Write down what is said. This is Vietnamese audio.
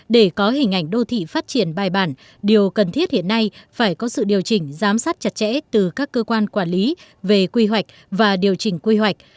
để có hình ảnh đô thị phát triển bài bản điều cần thiết hiện nay phải có sự điều chỉnh giám sát chặt chẽ từ các cơ quan quản lý về quy hoạch và điều chỉnh quy hoạch